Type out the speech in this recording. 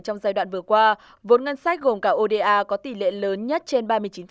trong giai đoạn vừa qua vốn ngân sách gồm cả oda có tỷ lệ lớn nhất trên ba mươi chín